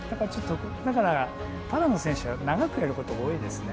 だからパラの選手は長くやることが多いですね。